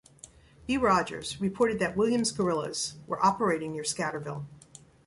B. Rogers, reported that "Williams Guerillas" were operating near Scatterville.